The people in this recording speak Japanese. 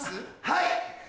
はい！